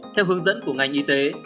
theo hướng dẫn của ngành y tế